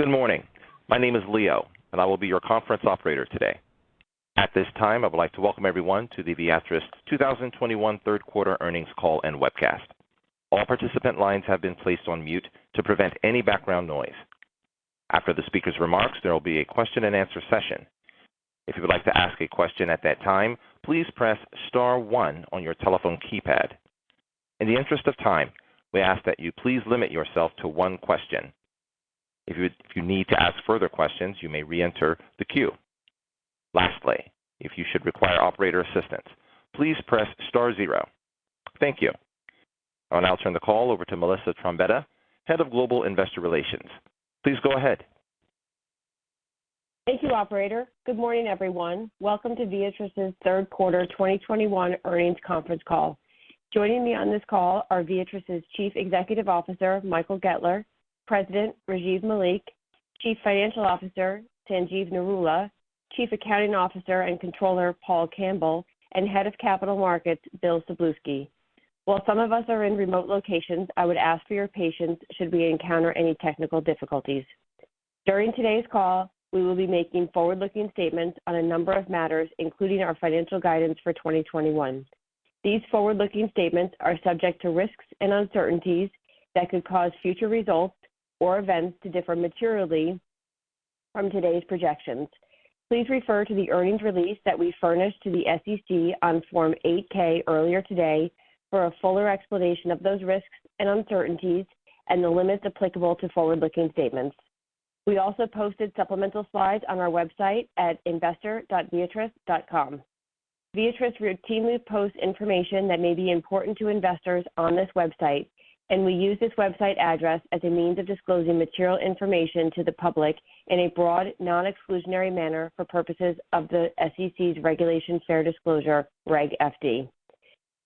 Good morning. My name is Leo, and I will be your conference operator today. At this time, I would like to welcome everyone to the Viatris 2021 Third Quarter Earnings Call and Webcast. All participant lines have been placed on mute to prevent any background noise. After the speaker's remarks, there will be a question and answer session. If you would like to ask a question at that time, please press star one on your telephone keypad. In the interest of time, we ask that you please limit yourself to one question. If you need to ask further questions, you may re-enter the queue. Lastly, if you should require operator assistance, please press star zero. Thank you. I'll now turn the call over to Melissa Trombetta, Head of Global Investor Relations. Please go ahead. Thank you, operator. Good morning, everyone. Welcome to Viatris's Third Quarter 2021 Earnings Conference call. Joining me on this call are Viatris's Chief Executive Officer, Michael Goettler, President, Rajiv Malik, Chief Financial Officer, Sanjeev Narula, Chief Accounting Officer and Controller, Paul Campbell, and Head of Capital Markets, Bill Szablewski. While some of us are in remote locations, I would ask for your patience should we encounter any technical difficulties. During today's call, we will be making forward-looking statements on a number of matters, including our financial guidance for 2021. These forward-looking statements are subject to risks and uncertainties that could cause future results or events to differ materially from today's projections. Please refer to the earnings release that we furnished to the SEC on Form 8-K earlier today for a fuller explanation of those risks and uncertainties and the limits applicable to forward-looking statements. We also posted supplemental slides on our website at investor.viatris.com. Viatris routinely posts information that may be important to investors on this website, and we use this website address as a means of disclosing material information to the public in a broad, non-exclusionary manner for purposes of the SEC's Regulation Fair Disclosure, Reg FD.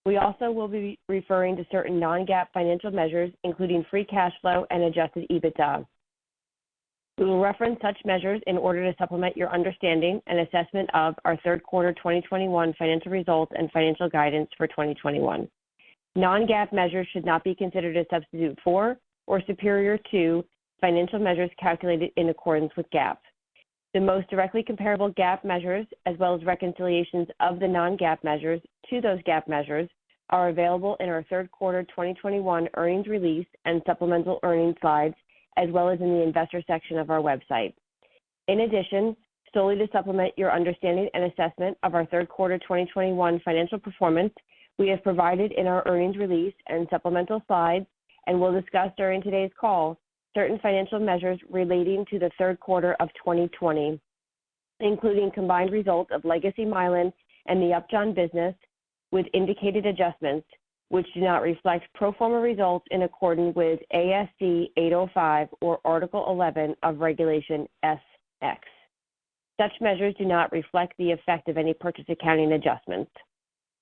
We also will be referring to certain non-GAAP financial measures, including free cash flow and adjusted EBITDA. We will reference such measures in order to supplement your understanding and assessment of our third quarter 2021 financial results and financial guidance for 2021. Non-GAAP measures should not be considered a substitute for or superior to financial measures calculated in accordance with GAAP. The most directly comparable GAAP measures, as well as reconciliations of the non-GAAP measures to those GAAP measures, are available in our third quarter 2021 earnings release and supplemental earnings slides, as well as in the investor section of our website. In addition, solely to supplement your understanding and assessment of our third quarter 2021 financial performance, we have provided in our earnings release and supplemental slides, and will discuss during today's call certain financial measures relating to the third quarter of 2020, including combined results of Legacy Mylan and the Upjohn business with indicated adjustments, which do not reflect pro forma results in accordance with ASC 805 or Article 11 of Regulation S-X. Such measures do not reflect the effect of any purchase accounting adjustments.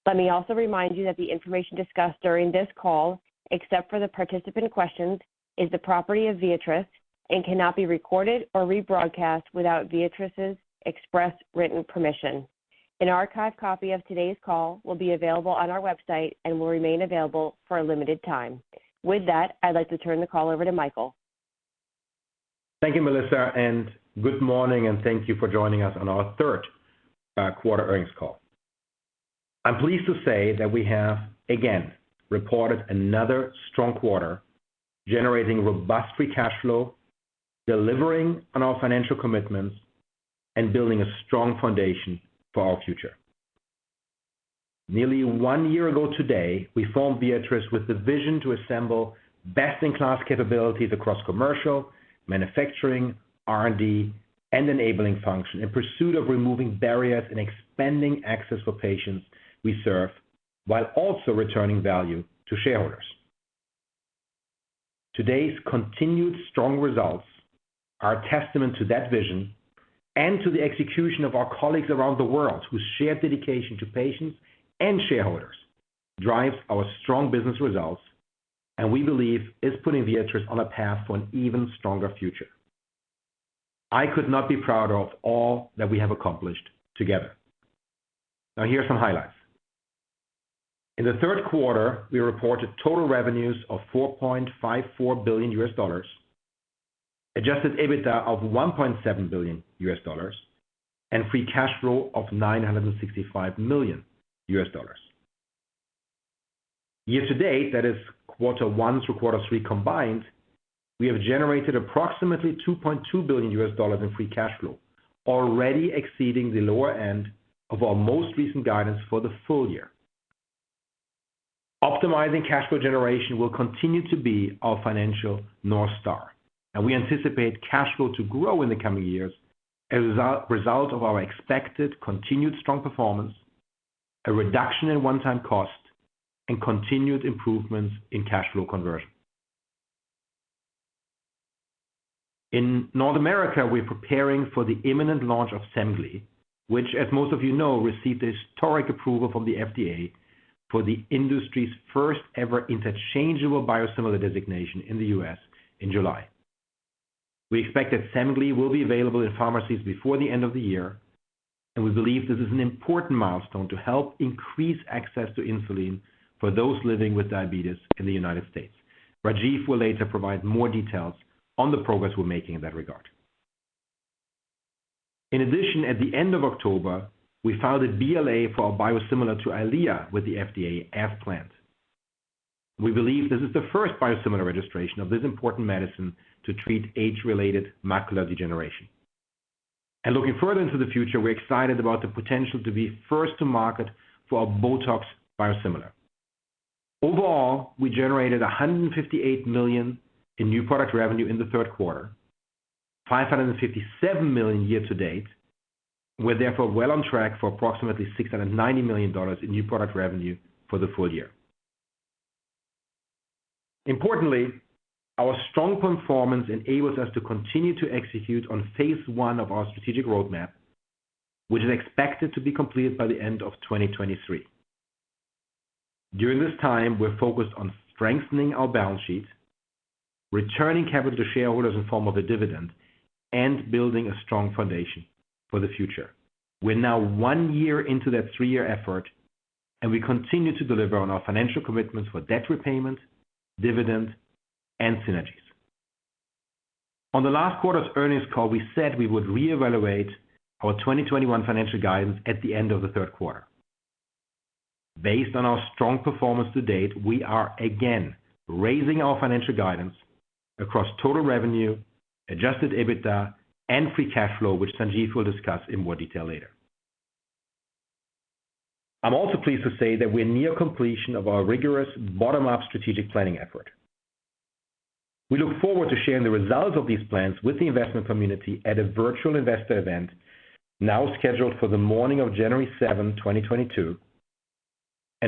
Let me also remind you that the information discussed during this call, except for the participant questions, is the property of Viatris and cannot be recorded or rebroadcast without Viatris's express written permission. An archived copy of today's call will be available on our website and will remain available for a limited time. With that, I'd like to turn the call over to Michael. Thank you, Melissa, and good morning and thank you for joining us on our third quarter earnings call. I'm pleased to say that we have, again, reported another strong quarter, generating robust free cash flow, delivering on our financial commitments and building a strong foundation for our future. Nearly one year ago today, we formed Viatris with the vision to assemble best-in-class capabilities across commercial, manufacturing, R&D, and enabling function in pursuit of removing barriers and expanding access for patients we serve, while also returning value to shareholders. Today's continued strong results are a testament to that vision and to the execution of our colleagues around the world, whose shared dedication to patients and shareholders drives our strong business results and we believe is putting Viatris on a path to an even stronger future. I could not be prouder of all that we have accomplished together. Now, here are some highlights. In the third quarter, we reported total revenues of $4.54 billion, adjusted EBITDA of $1.7 billion, and free cash flow of $965 million. Year to date, that is quarter one through quarter three combined, we have generated approximately $2.2 billion in free cash flow, already exceeding the lower end of our most recent guidance for the full year. Optimizing cash flow generation will continue to be our financial North Star, and we anticipate cash flow to grow in the coming years as a result of our expected continued strong performance, a reduction in one-time cost, and continued improvements in cash flow conversion. In North America, we're preparing for the imminent launch of Semglee, which, as most of you know, received historic approval from the FDA for the industry's first ever interchangeable biosimilar designation in the U.S. in July. We expect that Semglee will be available in pharmacies before the end of the year. We believe this is an important milestone to help increase access to insulin for those living with diabetes in the United States. Rajiv will later provide more details on the progress we're making in that regard. In addition, at the end of October, we filed a BLA for our biosimilar to EYLEA with the FDA as planned. We believe this is the first biosimilar registration of this important medicine to treat age-related macular degeneration. Looking further into the future, we're excited about the potential to be first to market for our BOTOX biosimilar. Overall, we generated $158 million in new product revenue in the third quarter. $557 million year to date. We're therefore well on track for approximately $690 million in new product revenue for the full year. Importantly, our strong performance enables us to continue to execute on phase I of our strategic roadmap, which is expected to be completed by the end of 2023. During this time, we're focused on strengthening our balance sheet, returning capital to shareholders in form of a dividend, and building a strong foundation for the future. We're now one year into that three-year effort, and we continue to deliver on our financial commitments for debt repayment, dividend, and synergies. On the last quarter's earnings call, we said we would reevaluate our 2021 financial guidance at the end of the third quarter. Based on our strong performance to date, we are again raising our financial guidance across total revenue, adjusted EBITDA, and free cash flow, which Sanjeev will discuss in more detail later. I'm also pleased to say that we're near completion of our rigorous bottom-up strategic planning effort. We look forward to sharing the results of these plans with the investment community at a virtual investor event now scheduled for the morning of January 7, 2022.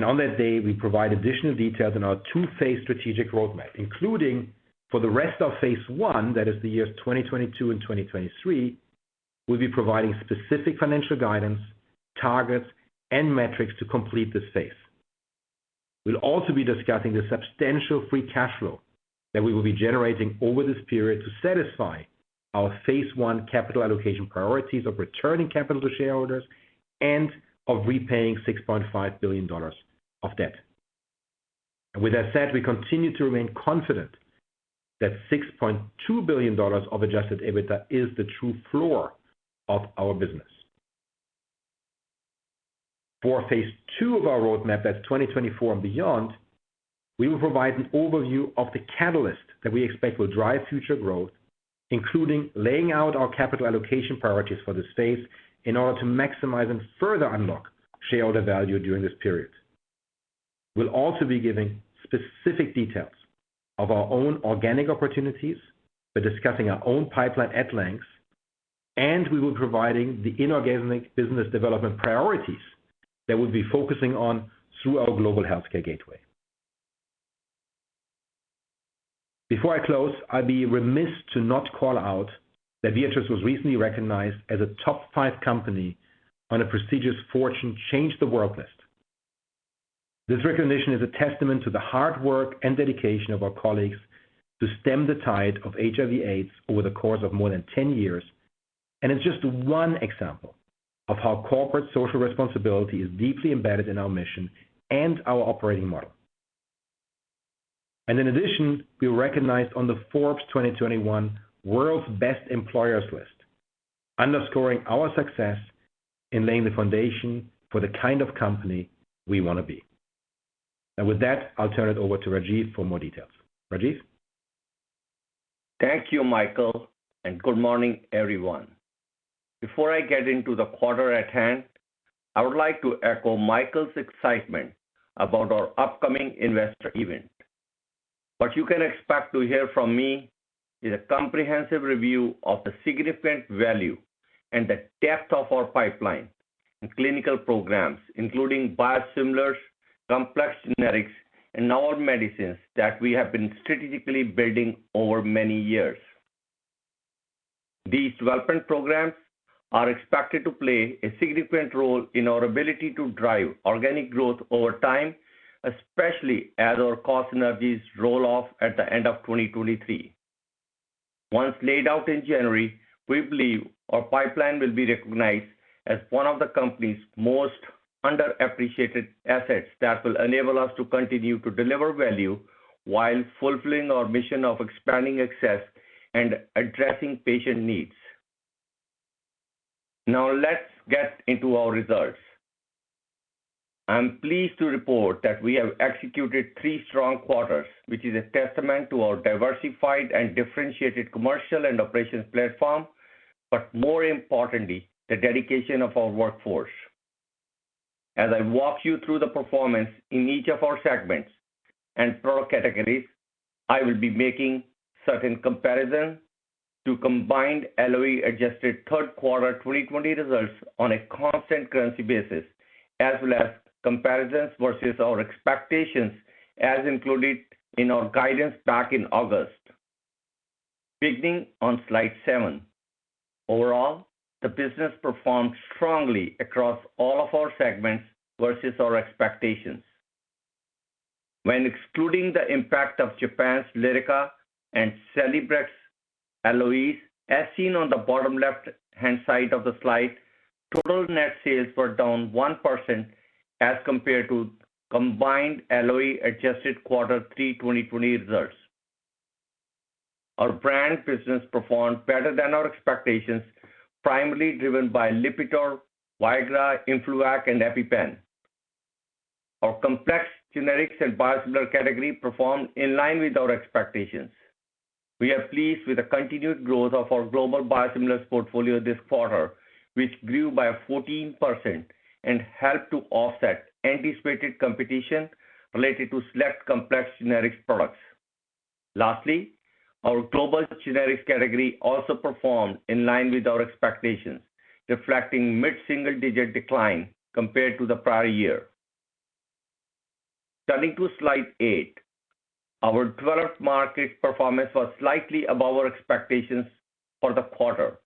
On that day, we provide additional details on our two-phase strategic roadmap, including for the rest of phase I, that is the years 2022 and 2023, we'll be providing specific financial guidance, targets, and metrics to complete this phase. We'll also be discussing the substantial free cash flow that we will be generating over this period to satisfy our phase I capital allocation priorities of returning capital to shareholders and of repaying $6.5 billion of debt. With that said, we continue to remain confident that $6.2 billion of adjusted EBITDA is the true floor of our business. For phase II of our roadmap, that's 2024 and beyond, we will provide an overview of the catalyst that we expect will drive future growth, including laying out our capital allocation priorities for this phase in order to maximize and further unlock shareholder value during this period. We'll also be giving specific details of our own organic opportunities by discussing our own pipeline at length, and we will be providing the inorganic business development priorities that we'll be focusing on through our Global Healthcare Gateway. Before I close, I'd be remiss to not call out that Viatris was recently recognized as a top five company on the prestigious Fortune Change the World list. This recognition is a testament to the hard work and dedication of our colleagues to stem the tide of HIV AIDS over the course of more than 10 years, and it's just one example of how corporate social responsibility is deeply embedded in our mission and our operating model. In addition, we were recognized on the Forbes 2021 World's Best Employers list, underscoring our success in laying the foundation for the kind of company we wanna be. With that, I'll turn it over to Rajiv for more details. Rajiv. Thank you, Michael, and good morning, everyone. Before I get into the quarter at hand, I would like to echo Michael's excitement about our upcoming investor event. What you can expect to hear from me is a comprehensive review of the significant value and the depth of our pipeline and clinical programs, including biosimilars, complex generics, and our medicines that we have been strategically building over many years. These development programs are expected to play a significant role in our ability to drive organic growth over time, especially as our cost synergies roll off at the end of 2023. Once laid out in January, we believe our pipeline will be recognized as one of the company's most underappreciated assets that will enable us to continue to deliver value while fulfilling our mission of expanding access and addressing patient needs. Now let's get into our results. I'm pleased to report that we have executed three strong quarters, which is a testament to our diversified and differentiated commercial and operations platform, but more importantly, the dedication of our workforce. As I walk you through the performance in each of our segments and product categories, I will be making certain comparisons to combined LOE-adjusted third quarter 2020 results on a constant currency basis, as well as comparisons versus our expectations as included in our guidance back in August. Beginning on Slide Seven. Overall, the business performed strongly across all of our segments versus our expectations. When excluding the impact of Japan's Lyrica and Celebrex LOEs, as seen on the bottom left-hand side of the slide, total net sales were down 1% as compared to combined LOE-adjusted quarter three 2020 results. Our brand business performed better than our expectations, primarily driven by Lipitor, Viagra, fluoxetine, and EpiPen. Our complex generics and biosimilars category performed in line with our expectations. We are pleased with the continued growth of our global biosimilars portfolio this quarter, which grew by 14% and helped to offset anticipated competition related to select complex generics products. Lastly, our global generics category also performed in line with our expectations, reflecting mid-single-digit decline compared to the prior year. Turning to Slide Eight. Our developed market performance was slightly above our expectations for the quarter.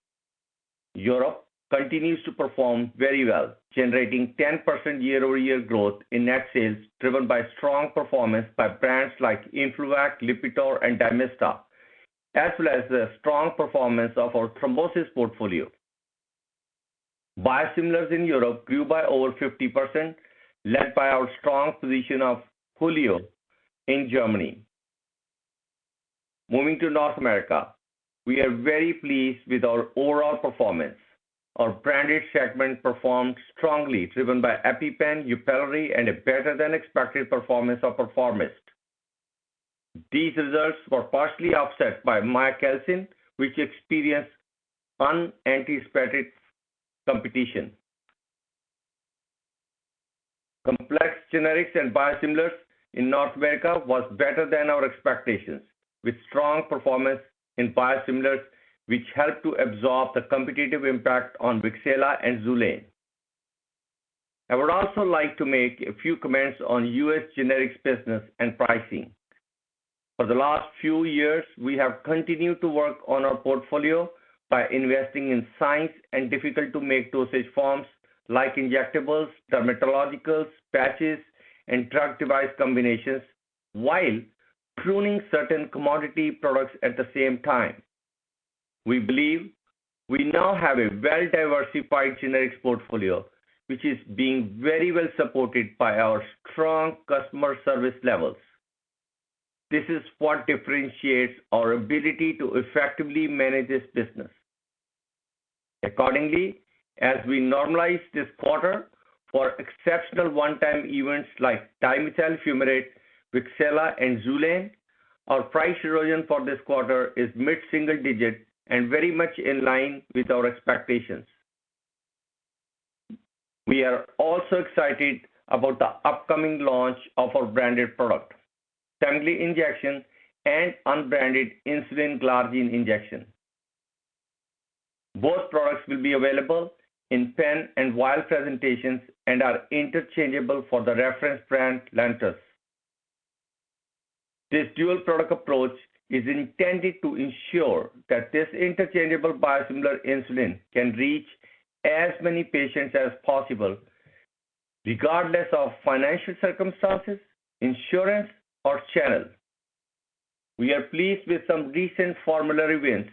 Europe continues to perform very well, generating 10% year-over-year growth in net sales, driven by strong performance by brands like fluoxetine, Lipitor, and Dymista, as well as the strong performance of our thrombosis portfolio. Biosimilars in Europe grew by over 50%, led by our strong position of Hulio in Germany. Moving to North America, we are very pleased with our overall performance. Our branded segment performed strongly, driven by EpiPen, Yupelri, and a better than expected performance of Perforomist. These results were partially offset by Miacalcin, which experienced unanticipated competition. Complex generics and biosimilars in North America was better than our expectations, with strong performance in biosimilars, which helped to absorb the competitive impact on Wixela and Xulane. I would also like to make a few comments on U.S. generics business and pricing. For the last few years, we have continued to work on our portfolio by investing in science and difficult to make dosage forms like injectables, dermatologicals, patches, and drug device combinations while pruning certain commodity products at the same time. We believe we now have a well-diversified generics portfolio, which is being very well supported by our strong customer service levels. This is what differentiates our ability to effectively manage this business. Accordingly, as we normalize this quarter for exceptional one-time events like dimethyl fumarate, Wixela, and Xulane, our price erosion for this quarter is mid-single-digit and very much in line with our expectations. We are also excited about the upcoming launch of our branded product, Semglee injection and unbranded insulin glargine injection. Both products will be available in pen and vial presentations and are interchangeable for the reference brand Lantus. This dual product approach is intended to ensure that this interchangeable biosimilar insulin can reach as many patients as possible, regardless of financial circumstances, insurance, or channel. We are pleased with some recent formulary wins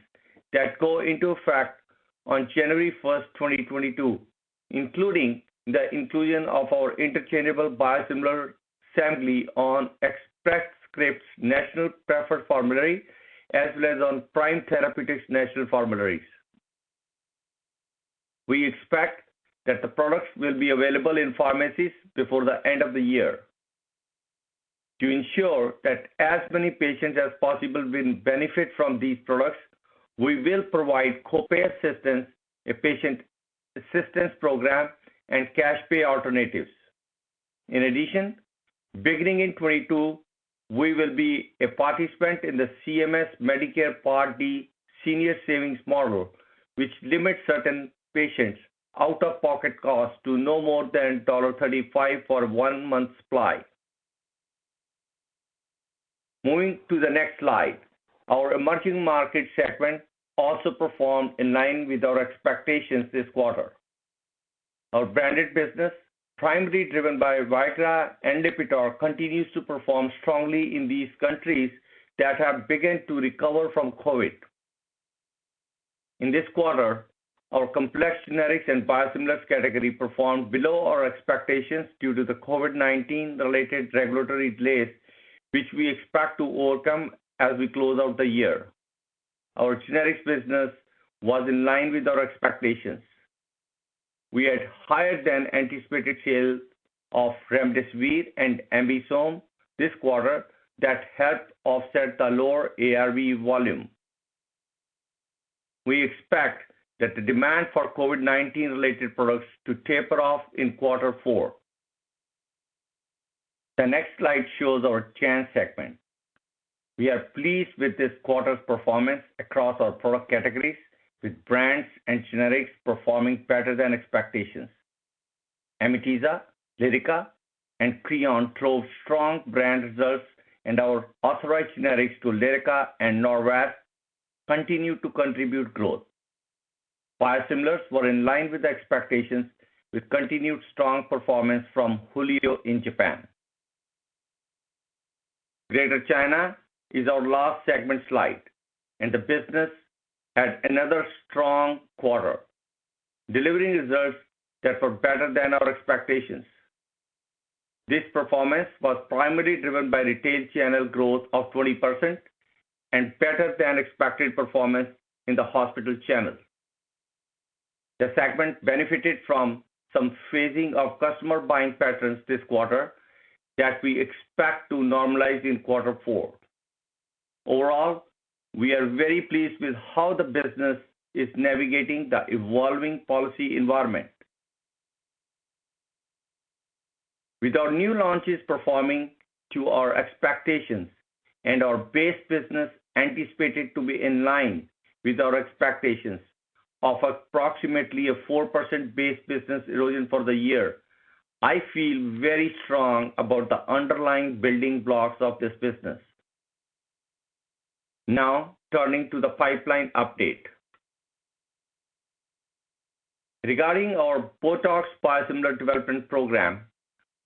that go into effect on January 1st, 2022, including the inclusion of our interchangeable biosimilar Semglee on Express Scripts' National Preferred Formulary, as well as on Prime Therapeutics National Formularies. We expect that the products will be available in pharmacies before the end of the year. To ensure that as many patients as possible will benefit from these products, we will provide copay assistance, a patient assistance program, and cash pay alternatives. In addition, beginning in 2022, we will be a participant in the CMS Medicare Part D Senior Savings Model, which limits certain patients' out-of-pocket costs to no more than $35 for one month's supply. Moving to the next slide. Our Emerging Markets segment also performed in line with our expectations this quarter. Our branded business, primarily driven by Viagra and Lipitor, continues to perform strongly in these countries that have begun to recover from COVID-19. In this quarter, our complex generics and biosimilars category performed below our expectations due to the COVID-19-related regulatory delays, which we expect to overcome as we close out the year. Our generics business was in line with our expectations. We had higher than anticipated sales of remdesivir and AmBisome this quarter that helped offset the lower ARV volume. We expect that the demand for COVID-19-related products to taper off in quarter four. The next slide shows our Generics segment. We are pleased with this quarter's performance across our product categories, with brands and generics performing better than expectations. Amitiza, Lyrica, and Creon drove strong brand results, and our authorized generics to Lyrica and Norvasc continued to contribute growth. Biosimilars were in line with expectations with continued strong performance from Hulio in Japan. Greater China is our last segment slide, and the business had another strong quarter, delivering results that were better than our expectations. This performance was primarily driven by retail channel growth of 20% and better than expected performance in the hospital channel. The segment benefited from some phasing of customer buying patterns this quarter that we expect to normalize in quarter four. Overall, we are very pleased with how the business is navigating the evolving policy environment. With our new launches performing to our expectations and our base business anticipated to be in line with our expectations of approximately 4% base business erosion for the year, I feel very strong about the underlying building blocks of this business. Now, turning to the pipeline update. Regarding our BOTOX biosimilar development program,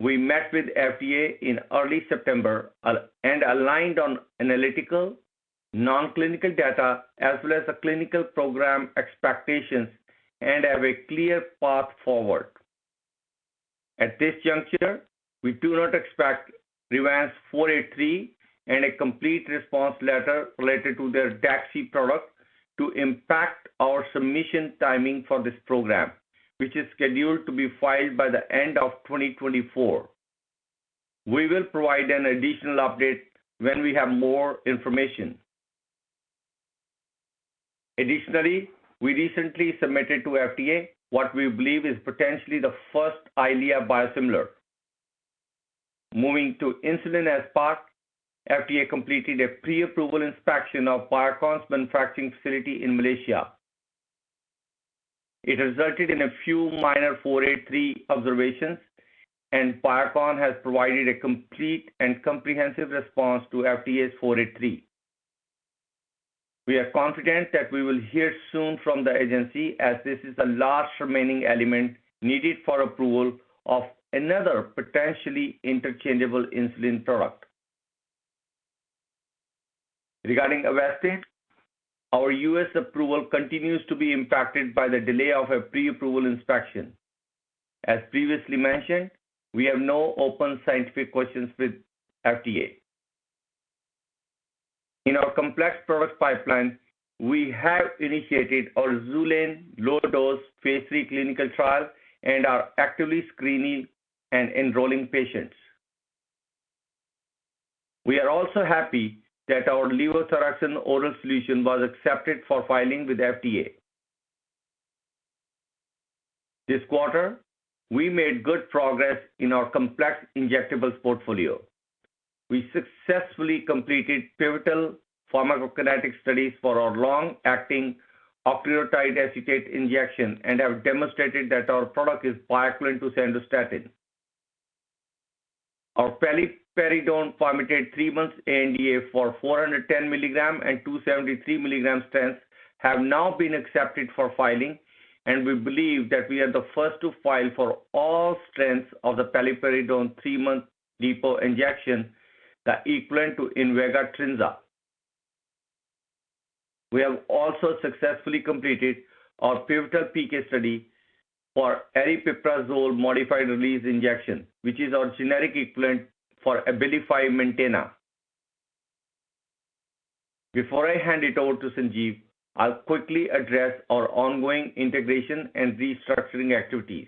we met with FDA in early September and aligned on analytical, non-clinical data as well as the clinical program expectations and have a clear path forward. At this juncture, we do not expect Revance 483 and a complete response letter related to their Daxxify product to impact our submission timing for this program, which is scheduled to be filed by the end of 2024. We will provide an additional update when we have more information. Additionally, we recently submitted to FDA what we believe is potentially the first EYLEA biosimilar. Moving to insulin aspart, FDA completed a pre-approval inspection of Biocon's manufacturing facility in Malaysia. It resulted in a few minor 483 observations, and Biocon has provided a complete and comprehensive response to FDA's 483. We are confident that we will hear soon from the agency as this is the last remaining element needed for approval of another potentially interchangeable insulin product. Regarding Avastin, our U.S. approval continues to be impacted by the delay of a pre-approval inspection. As previously mentioned, we have no open scientific questions with FDA. In our complex product pipeline, we have initiated our Xulane LO phase III clinical trial and are actively screening and enrolling patients. We are also happy that our levothyroxine oral solution was accepted for filing with FDA. This quarter, we made good progress in our complex injectables portfolio. We successfully completed pivotal pharmacokinetic studies for our long-acting octreotide acetate injection and have demonstrated that our product is bioequivalent to Sandostatin. Our paliperidone formulated three-month NDA for 410 mg and 273 mg strengths have now been accepted for filing, and we believe that we are the first to file for all strengths of the paliperidone three-month depot injection that equivalent to Invega Trinza. We have also successfully completed our pivotal PK study for aripiprazole modified release injection, which is our generic equivalent for Abilify Maintena. Before I hand it over to Sanjeev, I'll quickly address our ongoing integration and restructuring activities.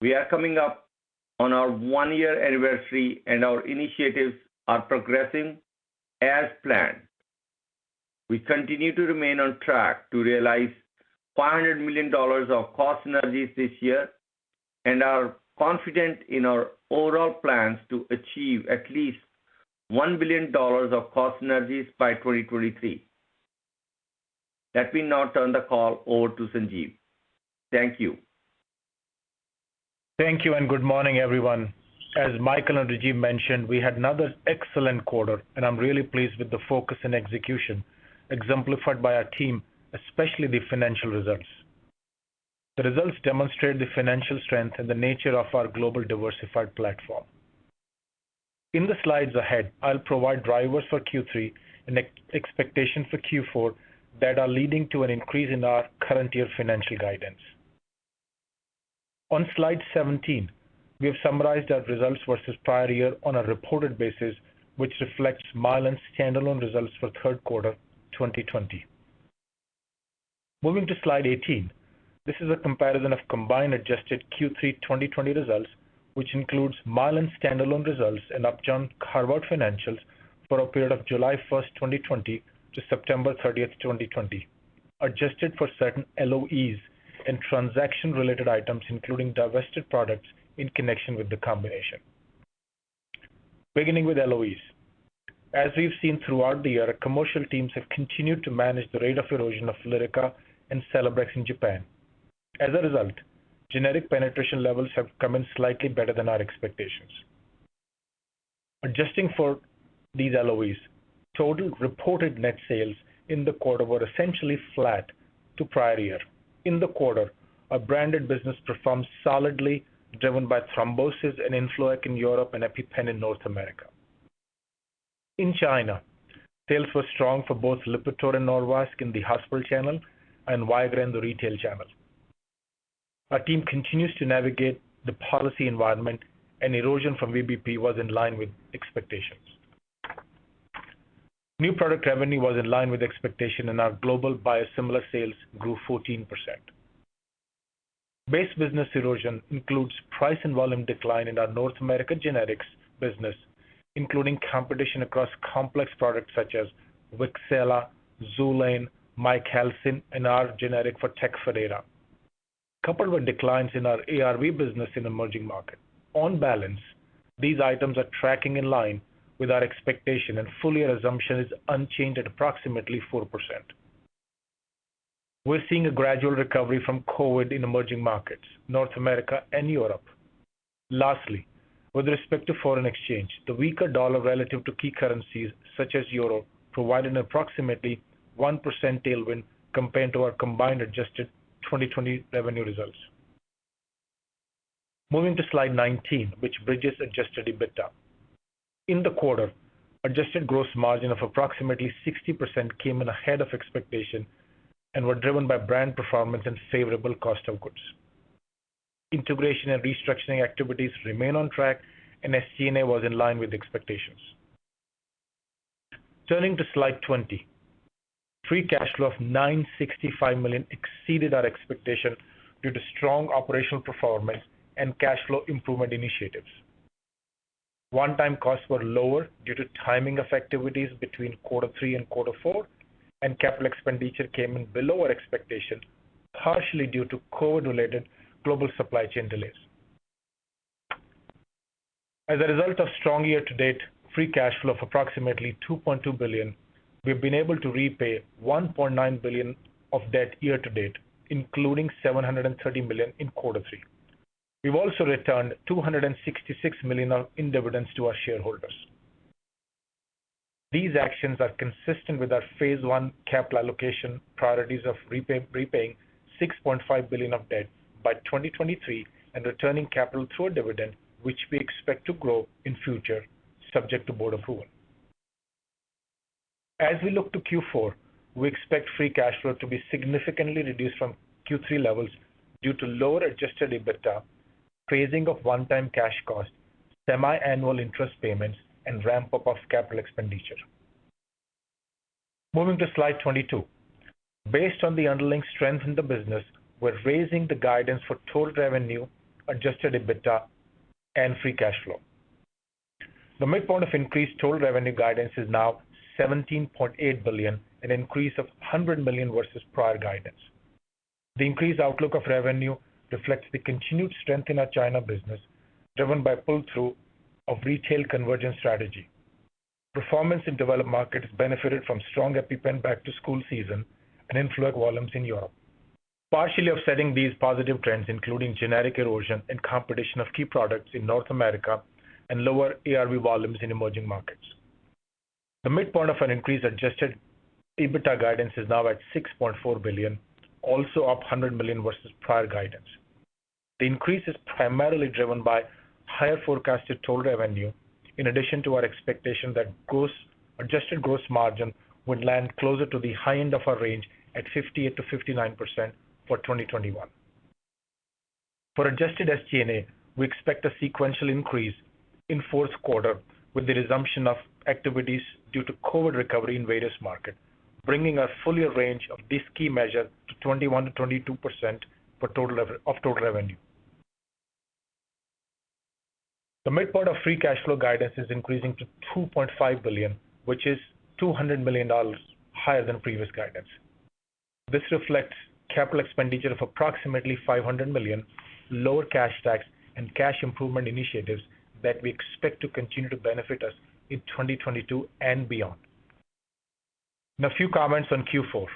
We are coming up on our one-year anniversary, and our initiatives are progressing as planned. We continue to remain on track to realize $500 million of cost synergies this year and are confident in our overall plans to achieve at least $1 billion of cost synergies by 2023. Let me now turn the call over to Sanjeev. Thank you. Thank you, and good morning, everyone. As Michael Goettler and Rajiv Malik mentioned, we had another excellent quarter, and I'm really pleased with the focus and execution exemplified by our team, especially the financial results. The results demonstrate the financial strength and the nature of our global diversified platform. In the slides ahead, I'll provide drivers for Q3 and expectations for Q4 that are leading to an increase in our current year financial guidance. On Slide 17, we have summarized our results versus prior year on a reported basis, which reflects Mylan standalone results for third quarter 2020. Moving to Slide 18, this is a comparison of combined adjusted Q3 2020 results, which includes Mylan standalone results and Upjohn carved-out financials for a period of July 1, 2020 to September 30, 2020, adjusted for certain LOEs and transaction-related items, including divested products in connection with the combination. Beginning with LOEs. As we've seen throughout the year, commercial teams have continued to manage the rate of erosion of Lyrica and Celebrex in Japan. As a result, generic penetration levels have come in slightly better than our expectations. Adjusting for these LOEs, total reported net sales in the quarter were essentially flat to prior year. In the quarter, our branded business performed solidly, driven by thrombosis and Influvac in Europe and EpiPen in North America. In China, sales were strong for both Lipitor and Norvasc in the hospital channel and Viagra in the retail channel. Our team continues to navigate the policy environment, and erosion from VBP was in line with expectations. New product revenue was in line with expectation, and our global biosimilar sales grew 14%. Base business erosion includes price and volume decline in our North American generics business, including competition across complex products such as Wixela, Xulane, Miacalcin, and our generic for Tecfidera, coupled with declines in our ARV business in emerging markets. On balance, these items are tracking in line with our expectation, and full-year assumption is unchanged at approximately 4%. We're seeing a gradual recovery from COVID in emerging markets, North America and Europe. Lastly, with respect to foreign exchange, the weaker dollar relative to key currencies such as euro provided an approximately 1% tailwind compared to our combined adjusted 2020 revenue results. Moving to Slide 19, which bridges adjusted EBITDA. In the quarter, adjusted gross margin of approximately 60% came in ahead of expectation and were driven by brand performance and favorable cost of goods. Integration and restructuring activities remain on track, and SG&A was in line with expectations. Turning to Slide 20, free cash flow of $965 million exceeded our expectations due to strong operational performance and cash flow improvement initiatives. One-time costs were lower due to timing of activities between quarter three and quarter four, and capital expenditure came in below our expectations, partially due to COVID-related global supply chain delays. As a result of strong year-to-date free cash flow of approximately $2.2 billion, we've been able to repay $1.9 billion of debt year to date, including $730 million in quarter three. We've also returned $266 million in dividends to our shareholders. These actions are consistent with our phase I capital allocation priorities of repaying $6.5 billion of debt by 2023 and returning capital through our dividend, which we expect to grow in future subject to board approval. As we look to Q4, we expect free cash flow to be significantly reduced from Q3 levels due to lower adjusted EBITDA, phasing of one-time cash costs, semi-annual interest payments, and ramp-up of capital expenditure. Moving to Slide 22. Based on the underlying strength in the business, we're raising the guidance for total revenue, adjusted EBITDA, and free cash flow. The midpoint of increased total revenue guidance is now $17.8 billion, an increase of $100 million versus prior guidance. The increased outlook of revenue reflects the continued strength in our China business, driven by pull-through of retail convergence strategy. Performance in Developed Markets benefited from strong EpiPen back-to-school season and Influvac volumes in Europe. Partially offsetting these positive trends, including generic erosion and competition of key products in North America and lower ARV volumes in Emerging Markets. The midpoint of an increased adjusted EBITDA guidance is now at $6.4 billion, also up $100 million versus prior guidance. The increase is primarily driven by higher forecasted total revenue in addition to our expectation that adjusted gross margin would land closer to the high end of our range at 58%-59% for 2021. For adjusted SG&A, we expect a sequential increase in fourth quarter with the resumption of activities due to COVID recovery in various markets, bringing our full-year range of this key measure to 21%-22% of total revenue. The midpoint of free cash flow guidance is increasing to $2.5 billion, which is $200 million higher than previous guidance. This reflects capital expenditure of approximately $500 million, lower cash tax, and cash improvement initiatives that we expect to continue to benefit us in 2022 and beyond. Now, a few comments on Q4.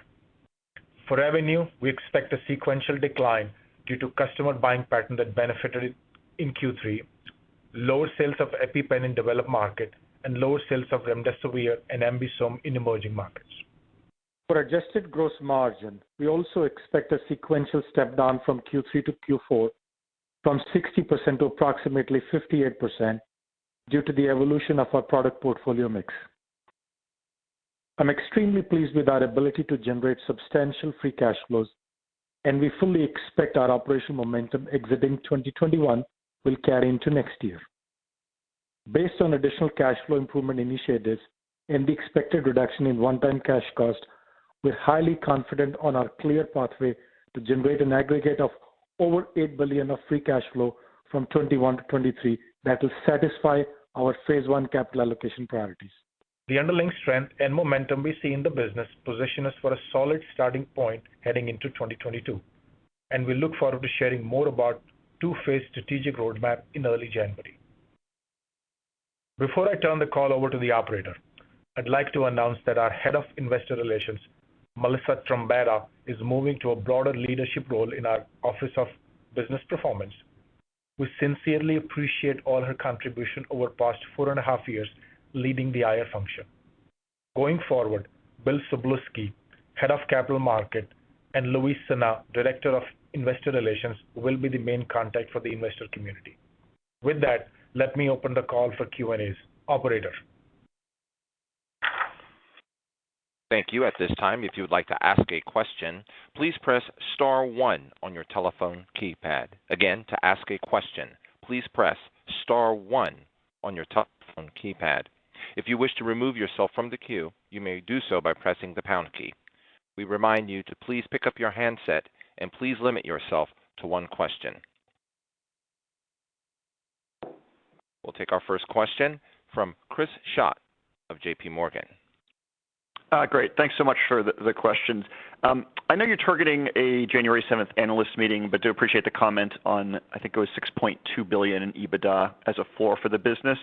For revenue, we expect a sequential decline due to customer buying pattern that benefited in Q3, lower sales of EpiPen in developed market, and lower sales of remdesivir and AmBisome in emerging markets. For adjusted gross margin, we also expect a sequential step down from Q3 to Q4 from 60% to approximately 58% due to the evolution of our product portfolio mix. I'm extremely pleased with our ability to generate substantial free cash flows, and we fully expect our operational momentum exiting 2021 will carry into next year. Based on additional cash flow improvement initiatives and the expected reduction in one-time cash costs, we're highly confident on our clear pathway to generate an aggregate of over $8 billion of free cash flow from 2021 to 2023 that will satisfy our phase I capital allocation priorities. The underlying strength and momentum we see in the business position us for a solid starting point heading into 2022, and we look forward to sharing more about two-phase strategic roadmap in early January. Before I turn the call over to the operator. I'd like to announce that our Head of Investor Relations, Melissa Trombetta, is moving to a broader leadership role in our Office of Business Performance. We sincerely appreciate all her contribution over the past four and a half years leading the IR function. Going forward, Bill Szablewski, Head of Capital Markets, and Luis Sanay, Director of Investor Relations, will be the main contact for the investor community. With that, let me open the call for Q&As. Operator? Thank you. At this time, if you would like to ask a question, please press star one on your telephone keypad. Again, to ask a question, please press star one on your telephone keypad. If you wish to remove yourself from the queue, you may do so by pressing the pound key. We remind you to please pick up your handset and please limit yourself to one question. We'll take our first question from Chris Schott of JPMorgan. Great. Thanks so much for the questions. I know you're targeting a January 7 Analyst Meeting, but do appreciate the comment on, I think it was $6.2 billion in EBITDA as a floor for the business.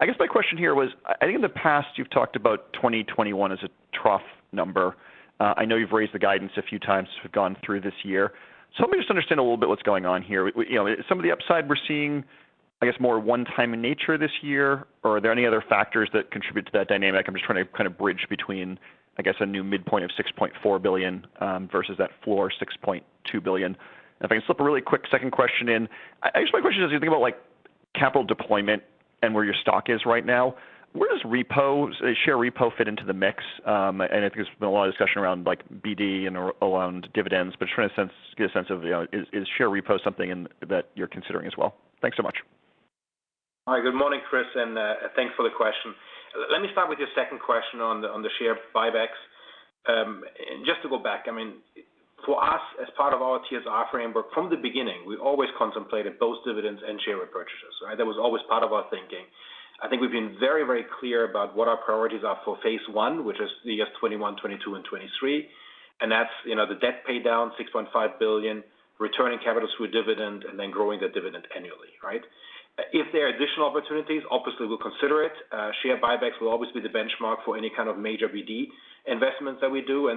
I guess my question here was, I think in the past you've talked about 2021 as a trough number. I know you've raised the guidance a few times as we've gone through this year. Help me just understand a little bit what's going on here. You know, some of the upside we're seeing, I guess more one-time in nature this year, or are there any other factors that contribute to that dynamic? I'm just trying to kind of bridge between, I guess a new midpoint of $6.4 billion, versus that floor $6.2 billion. If I can slip a really quick second question in. I guess my question is, as you think about like capital deployment and where your stock is right now, where does share repo fit into the mix? I think there's been a lot of discussion around like BD and around dividends, but trying to get a sense of, you know, is share repo something that you're considering as well? Thanks so much. Hi, good morning, Chris, and thanks for the question. Let me start with your second question on the share buybacks. Just to go back, I mean, for us, as part of our TSR framework from the beginning, we always contemplated both dividends and share repurchases. All right? That was always part of our thinking. I think we've been very, very clear about what our priorities are for phase I, which is the years 2021, 2022, and 2023. That's, you know, the debt paydown, $6.5 billion, returning capital through a dividend, and then growing the dividend annually, right? If there are additional opportunities, obviously we'll consider it. Share buybacks will always be the benchmark for any kind of major BD investments that we do.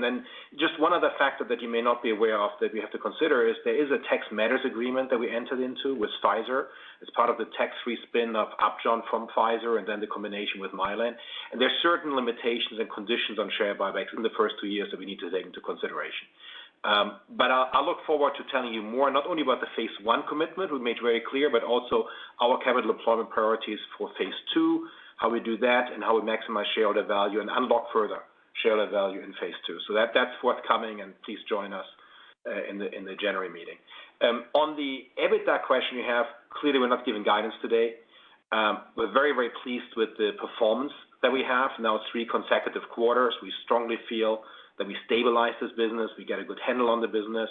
Just one other factor that you may not be aware of that we have to consider is there is a tax matters agreement that we entered into with Pfizer as part of the tax-free spin of Upjohn from Pfizer and then the combination with Mylan. There are certain limitations and conditions on share buybacks in the first two years that we need to take into consideration. I look forward to telling you more, not only about the phase I commitment we've made very clear, but also our capital deployment priorities for phase II, how we do that, and how we maximize shareholder value and unlock further shareholder value in phase II. That's what's coming, and please join us in the January meeting. On the EBITDA question you have, clearly we're not giving guidance today. We're very, very pleased with the performance that we have now three consecutive quarters. We strongly feel that we stabilized this business. We get a good handle on the business.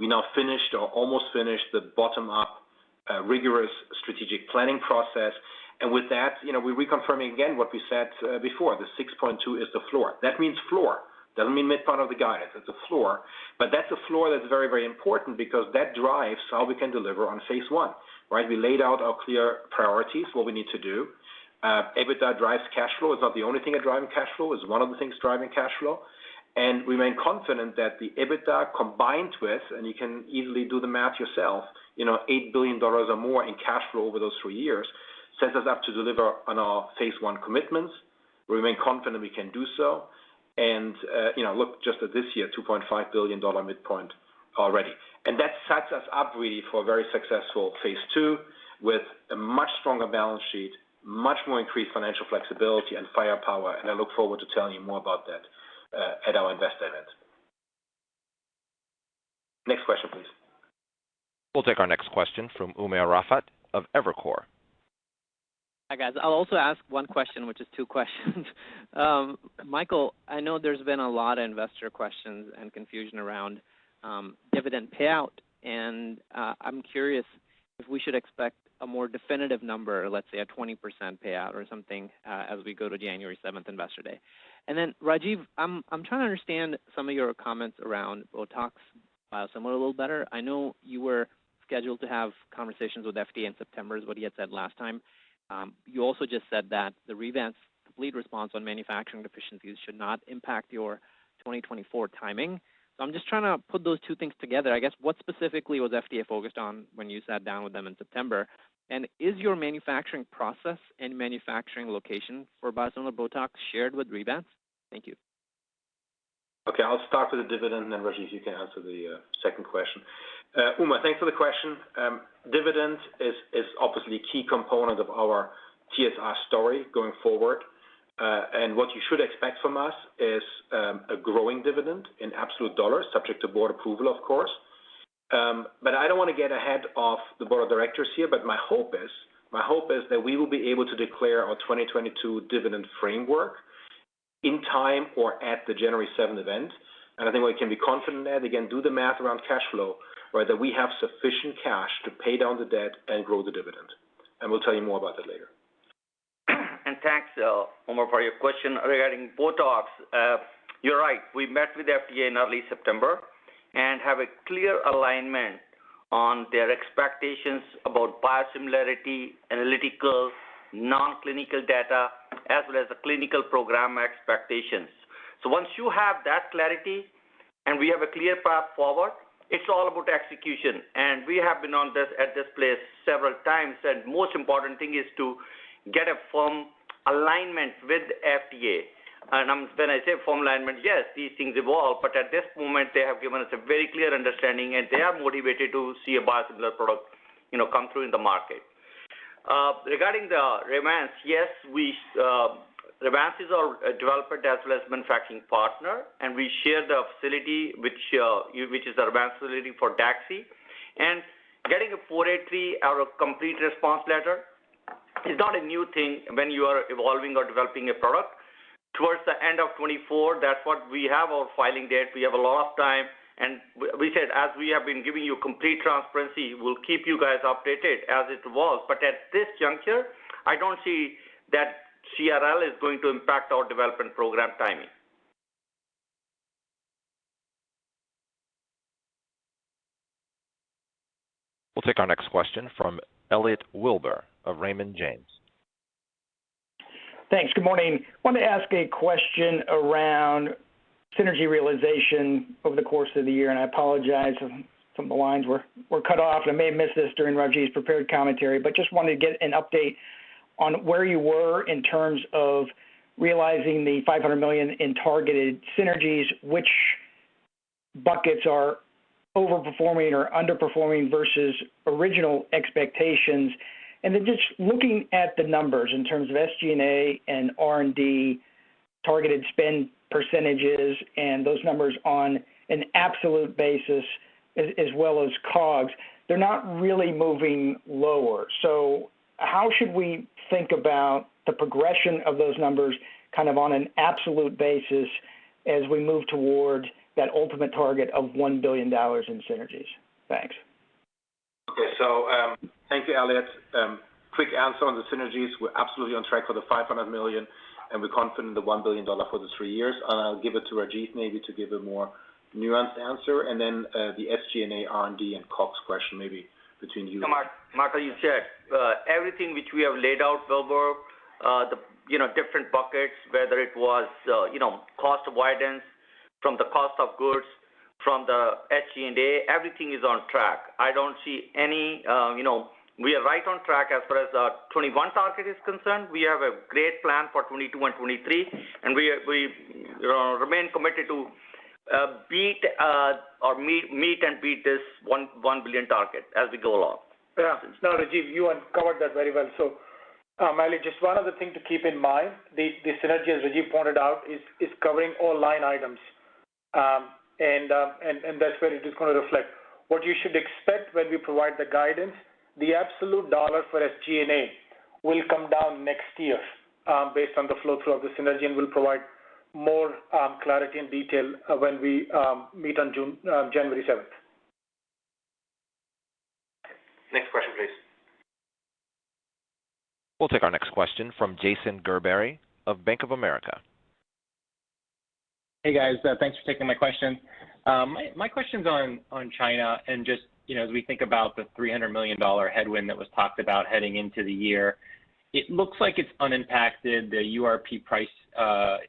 We now finished or almost finished the bottom-up, rigorous strategic planning process. With that, you know, we're reconfirming again what we said, before. The $6.2 billion is the floor. That means floor. Doesn't mean midpoint of the guidance. It's a floor. That's a floor that's very, very important because that drives how we can deliver on phase I, right? We laid out our clear priorities, what we need to do. EBITDA drives cash flow. It's not the only thing that driving cash flow. It's one of the things driving cash flow. Remain confident that the EBITDA combined with, and you can easily do the math yourself, you know, $8 billion or more in cash flow over those three years, sets us up to deliver on our phase I commitments. We remain confident we can do so. you know, look just at this year, $2.5 billion midpoint already. that sets us up really for a very successful phase II with a much stronger balance sheet, much more increased financial flexibility and firepower. I look forward to telling you more about that at our Investor Day. Next question, please. We'll take our next question from Umer Raffat of Evercore. Hi, guys. I'll also ask one question, which is two questions. Michael, I know there's been a lot of investor questions and confusion around dividend payout, and I'm curious if we should expect a more definitive number, let's say a 20% payout or something, as we go to January 7 investor day. Rajiv, I'm trying to understand some of your comments around BOTOX biosimilar a little better. I know you were scheduled to have conversations with FDA in September, is what he had said last time. You also just said that the Revance CRL response on manufacturing deficiencies should not impact your 2024 timing. I'm just trying to put those two things together. I guess, what specifically was FDA focused on when you sat down with them in September? Is your manufacturing process and manufacturing location for biosimilar BOTOX shared with Revance? Thank you. Okay, I'll start with the dividend, and then Rajiv, you can answer the second question. Umer, thanks for the question. Dividend is obviously a key component of our TSR story going forward. What you should expect from us is a growing dividend in absolute dollars, subject to board approval, of course. But I don't wanna get ahead of the board of directors here, but my hope is that we will be able to declare our 2022 dividend framework in time or at the January 7 event. I think we can be confident that, again, do the math around cash flow, right? That we have sufficient cash to pay down the debt and grow the dividend. We'll tell you more about that later. Thanks, Umer, for your question regarding BOTOX. You're right. We met with FDA in early September and have a clear alignment On their expectations about biosimilarity, analytical, non-clinical data, as well as the clinical program expectations. Once you have that clarity and we have a clear path forward, it's all about execution. We have been on this at this place several times, and most important thing is to get a firm alignment with FDA. When I say firm alignment, yes, these things evolve, but at this moment they have given us a very clear understanding and they are motivated to see a biosimilar product, you know, come through in the market. Regarding the Revance, yes, Revance is our developer as well as manufacturing partner, and we share the facility which is our Revance facility for Daxi. Getting a 483 out of complete response letter is not a new thing when you are evolving or developing a product. Towards the end of 2024, that's what we have our filing date. We have a lot of time. We said, as we have been giving you complete transparency, we'll keep you guys updated as it was. At this juncture, I don't see that CRL is going to impact our development program timing. We'll take our next question from Elliot Wilbur of Raymond James. Thanks. Good morning. I wanted to ask a question around synergy realization over the course of the year, and I apologize if some of the lines were cut off, and I may have missed this during Rajiv's prepared commentary, but just wanted to get an update on where you were in terms of realizing the $500 million in targeted synergies, which buckets are overperforming or underperforming versus original expectations. Then just looking at the numbers in terms of SG&A and R&D targeted spend percentages and those numbers on an absolute basis as well as COGS, they're not really moving lower. How should we think about the progression of those numbers kind of on an absolute basis as we move toward that ultimate target of $1 billion in synergies? Thanks. Okay. Thank you, Elliot. Quick answer on the synergies. We're absolutely on track for the $500 million, and we're confident the $1 billion for the three years. I'll give it to Rajiv maybe to give a more nuanced answer. Then, the SG&A, R&D, and COGS question maybe between you- Michael, are you sure? Everything which we have laid out, Wilbur, you know, different buckets, whether it was, you know, cost savings from the cost of goods, from the SG&A, everything is on track. I don't see any. We are right on track as far as our 2021 target is concerned. We have a great plan for 2022 and 2023, and we remain committed to meet and beat this $1 billion target as we go along. Yeah. No, Rajiv, you uncovered that very well. Elliot, just one other thing to keep in mind, the synergy as Rajiv pointed out is covering all line items. And that's where it is gonna reflect. What you should expect when we provide the guidance, the absolute dollar for SG&A will come down next year, based on the flow through of the synergy, and we'll provide more clarity and detail, when we meet on January 7th. Next question, please. We'll take our next question from Jason Gerberry of Bank of America. Hey, guys. Thanks for taking my question. My question's on China and just, you know, as we think about the $300 million headwind that was talked about heading into the year. It looks like it's unimpacted, the URP price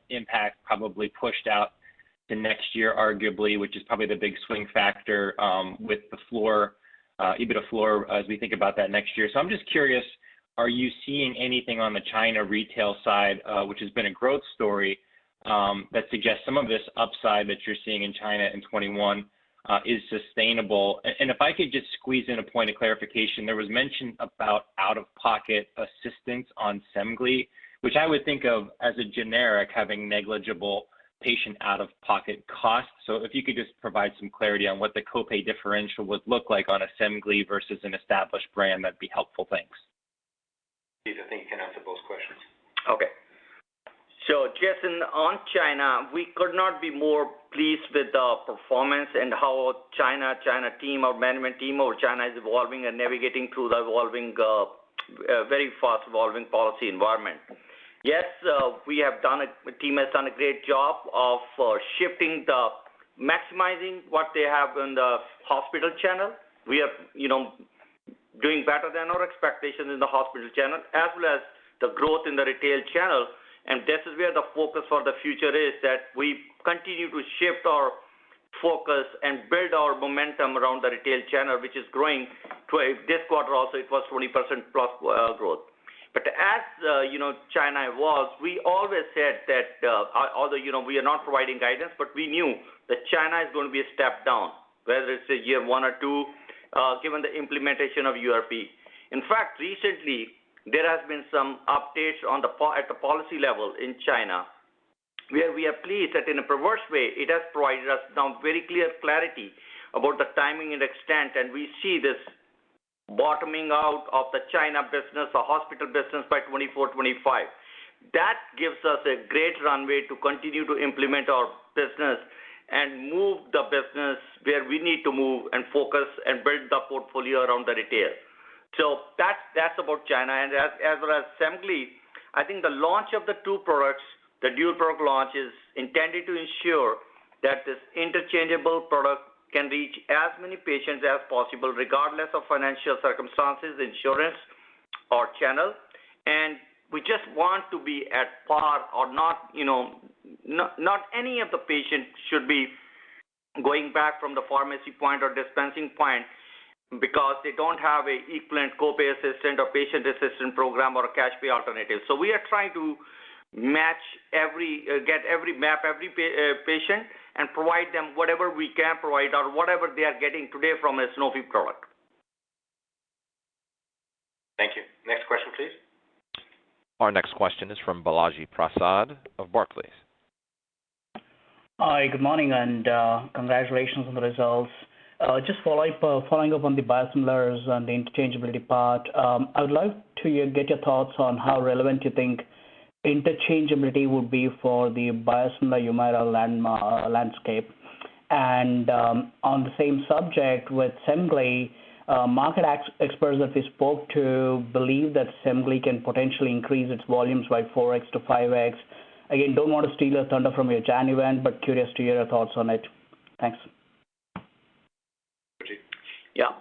impact probably pushed out to next year, arguably, which is probably the big swing factor with the floor EBITDA floor as we think about that next year. I'm just curious, are you seeing anything on the China retail side, which has been a growth story, that suggests some of this upside that you're seeing in China in 2021 is sustainable? If I could just squeeze in a point of clarification, there was mention about out-of-pocket assistance on Semglee, which I would think of as a generic having negligible patient out-of-pocket costs. If you could just provide some clarity on what the co-pay differential would look like on a Semglee versus an established brand, that'd be helpful. Thanks. Rajiv, I think you can answer those questions. Okay. Jason, on China, we could not be more pleased with the performance and how China team, our management team of China is evolving and navigating through the evolving very fast-evolving policy environment. Yes, the team has done a great job of shifting to maximizing what they have in the hospital channel. We are, you know, doing better than our expectations in the hospital channel, as well as the growth in the retail channel. This is where the focus for the future is, that we continue to shift our focus and build our momentum around the retail channel, which is growing too. This quarter also, it was 20% plus growth. You know China was, we always said that, although, you know, we are not providing guidance, but we knew that China is gonna be a step down, whether it's a year one or two, given the implementation of URP. In fact, recently, there has been some updates at the policy level in China, where we are pleased that in a perverse way, it has provided us some very clear clarity about the timing and extent, and we see this bottoming out of the China business, the hospital business by 2024, 2025. That gives us a great runway to continue to implement our business and move the business where we need to move and focus and build the portfolio around the retail. That's about China. As with Semglee, I think the launch of the two products, the dual-product launch is intended to ensure that this interchangeable product can reach as many patients as possible, regardless of financial circumstances, insurance or channel. We just want to be at par or not, you know, not any of the patients should be going back from the pharmacy point or dispensing point because they don't have a equivalent copay assistant or patient assistant program or a cash pay alternative. We are trying to match every patient and provide them whatever we can provide or whatever they are getting today from a Sanofi product. Thank you. Next question, please. Our next question is from Balaji Prasad of Barclays. Hi, good morning, and congratulations on the results. Just following up on the biosimilars and the interchangeability part, I would like to get your thoughts on how relevant you think interchangeability will be for the biosimilar Humira landscape. On the same subject with Semglee, market experts that we spoke to believe that Semglee can potentially increase its volumes by 4x-5x. Again, don't want to steal the thunder from your January event, but curious to hear your thoughts on it. Thanks. Yeah.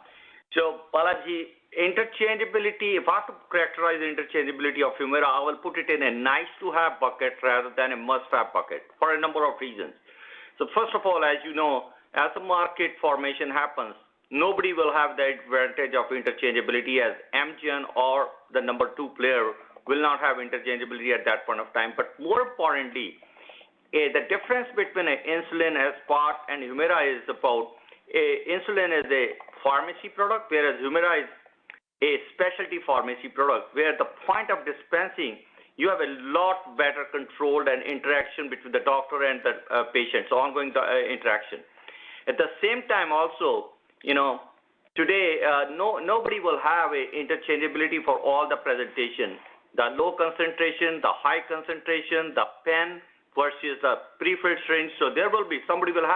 Balaji, interchangeability, if I have to characterize the interchangeability of Humira, I will put it in a nice to have bucket rather than a must have bucket for a number of reasons. First of all, as you know, as the market formation happens, nobody will have the advantage of interchangeability as Amgen or the number two player will not have interchangeability at that point of time. But more importantly, the difference between an insulin, Herceptin, and Humira is about insulin is a pharmacy product, whereas Humira is a specialty pharmacy product, where at the point of dispensing, you have a lot better control and interaction between the doctor and the patient, so ongoing interaction. At the same time also, you know, today, nobody will have an interchangeability for all the presentations. The low concentration, the high concentration, the pen versus a prefilled syringe. There will be somebody will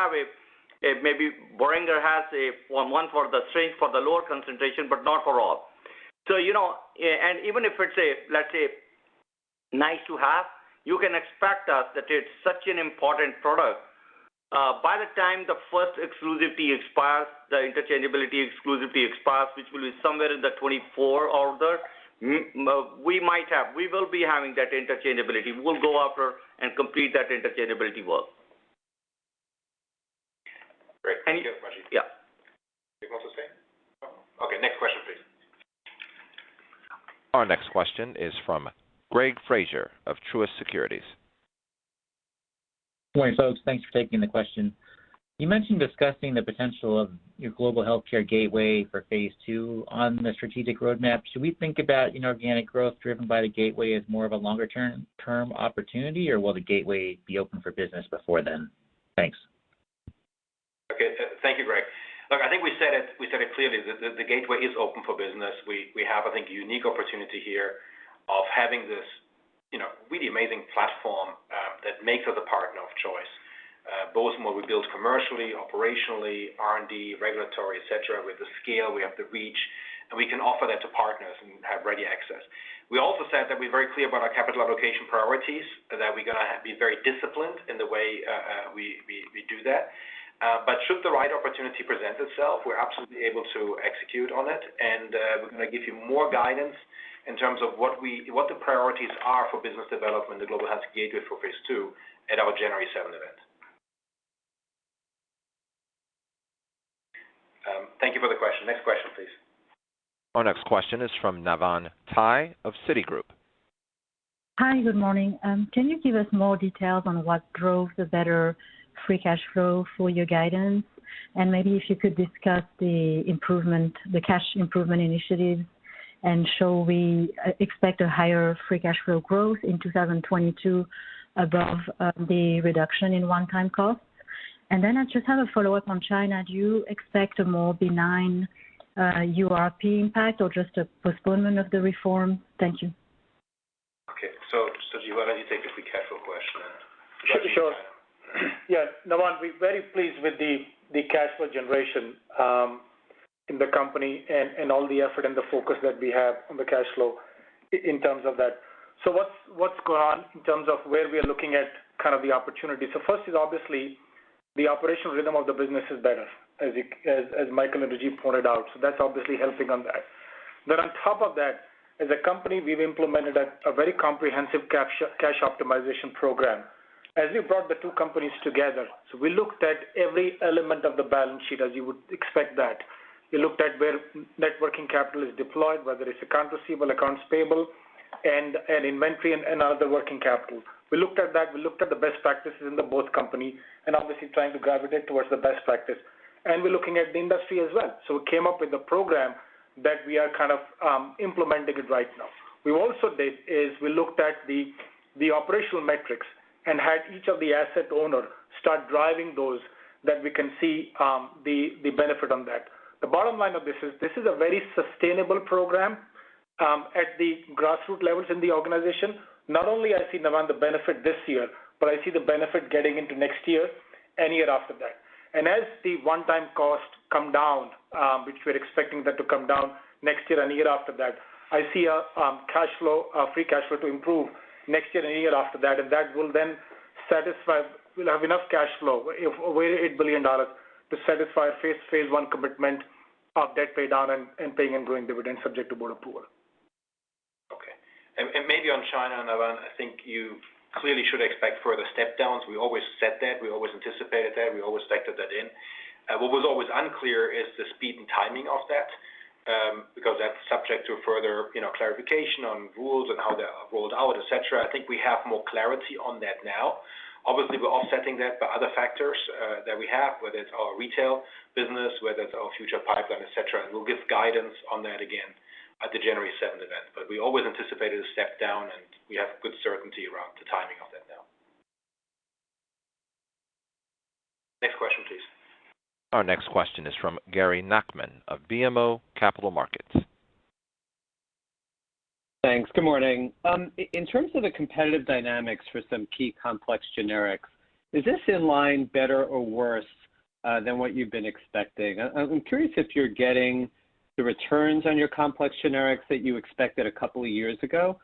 have one. Maybe Boehringer has one for the syringe, for the lower concentration, but not for all. Even if it's a nice to have, you can expect that it's such an important product by the time the first exclusivity expires, the interchangeability exclusivity expires, which will be somewhere in the mid-2024. We will be having that interchangeability. We'll go after and complete that interchangeability work. Great. Thank you, Rajiv. Yeah. You want to say? No. Okay. Next question, please. Our next question is from Greg Fraser of Truist Securities. Morning, folks. Thanks for taking the question. You mentioned discussing the potential of your Global Healthcare Gateway for phase II on the strategic roadmap. Should we think about inorganic growth driven by the gateway as more of a longer-term opportunity, or will the gateway be open for business before then? Thanks. Okay. Thank you, Greg. Look, I think we said it clearly that the gateway is open for business. We have, I think, a unique opportunity here of having this, you know, really amazing platform that makes us a partner of choice, both in what we build commercially, operationally, R&D, regulatory, et cetera, with the scale, we have the reach, and we can offer that to partners and have ready access. We also said that we're very clear about our capital allocation priorities, that we're gonna be very disciplined in the way we do that. Should the right opportunity present itself, we're absolutely able to execute on it, and we're gonna give you more guidance in terms of what the priorities are for business development, the Global Healthcare Gateway for phase II at our January 7th event. Thank you for the question. Next question, please. Our next question is from Navann Ty of Citi. Hi, good morning. Can you give us more details on what drove the better free cash flow for your guidance? Maybe if you could discuss the improvement, the cash improvement initiative, and shall we expect a higher free cash flow growth in 2022 above the reduction in one-time costs. I just have a follow-up on China. Do you expect a more benign URP impact or just a postponement of the reform? Thank you. Okay. Sanjeev, why don't you take the free cash flow question and- Sure. Yeah, Navann, we're very pleased with the cash flow generation in the company and all the effort and the focus that we have on the cash flow in terms of that. What's going on in terms of where we are looking at kind of the opportunity. First is obviously the operational rhythm of the business is better, as Michael and Rajiv pointed out, so that's obviously helping on that. On top of that, as a company, we've implemented a very comprehensive cash optimization program as we brought the two companies together. We looked at every element of the balance sheet, as you would expect that. We looked at where net working capital is deployed, whether it's accounts receivable, accounts payable, and inventory and other working capital. We looked at that. We looked at the best practices in both companies and obviously trying to gravitate towards the best practice. We're looking at the industry as well. We came up with a program that we are kind of implementing it right now. What we also did is we looked at the operational metrics and had each of the asset owners start driving those that we can see the benefit on that. The bottom line of this is this is a very sustainable program at the grassroots levels in the organization. Not only do I see, Navann, the benefit this year, but I see the benefit getting into next year and year after that. As the one-time cost come down, which we're expecting that to come down next year and year after that, I see a free cash flow to improve next year and year after that. That will then satisfy. We'll have enough cash flow over $8 billion to satisfy phase I commitment of debt pay down and paying and growing dividends subject to board approval. Okay. Maybe on China, Navann, I think you clearly should expect further step downs. We always said that. We always anticipated that. We always factored that in. What was always unclear is the speed and timing of that, because that's subject to further, you know, clarification on rules and how they are rolled out, et cetera. I think we have more clarity on that now. Obviously, we're offsetting that by other factors, that we have, whether it's our retail business, whether it's our future pipeline, et cetera. We'll give guidance on that again at the January 7th event. We always anticipated a step down, and we have good certainty around the timing of that now. Next question, please. Our next question is from Gary Nachman of BMO Capital Markets. Thanks. Good morning. In terms of the competitive dynamics for some key complex generics, is this in line better or worse than what you've been expecting? I'm curious if you're getting the returns on your complex generics that you expected a couple of years ago,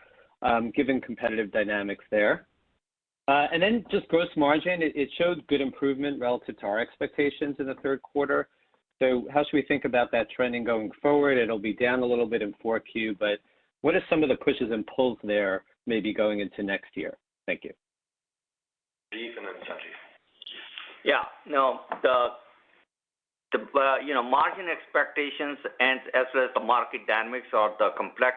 given competitive dynamics there. Just gross margin, it shows good improvement relative to our expectations in the third quarter. How should we think about that trending going forward? It'll be down a little bit in Q4, but what are some of the pushes and pulls there maybe going into next year? Thank you. Rajiv and then Sanjeev. Yeah. No, the you know, margin expectations and as well as the market dynamics of the complex